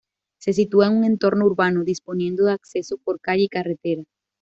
Se sitúa en un entorno urbano, disponiendo de acceso por calle y carretera.